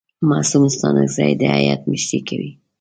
معصوم ستانکزی د هیات مشري کوي.